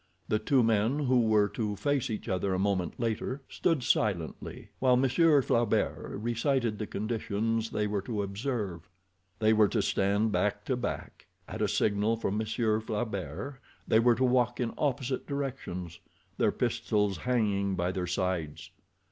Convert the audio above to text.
The two men who were to face each other a moment later stood silently while Monsieur Flaubert recited the conditions they were to observe. They were to stand back to back. At a signal from Monsieur Flaubert they were to walk in opposite directions, their pistols hanging by their sides.